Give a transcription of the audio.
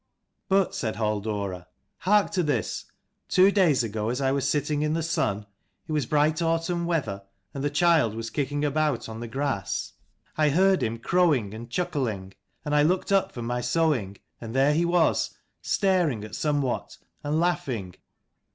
" But," said Halldora, " hark to this. Two days ago, as I was sitting in the sun it was bright autumn weather and the child was kicking about on the grass, I heard him 256 crowing and chuckling; and I looked up from my sewing, and there he was, staring at some what, and laughing.